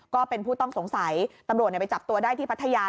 ก็เป็นผู้ต้องสงสัยตำรวจไปจับตัวได้ที่พัทยา